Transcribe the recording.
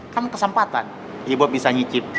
kan kesempatan ibu bisa nyicip